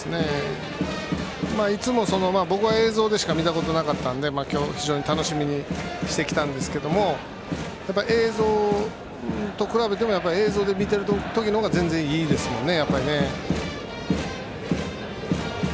いつも、僕は映像でしか見たことがなかったので今日非常に楽しみにしてきたんですけど映像と比べても映像で見ていた時の方が全然いいですものね。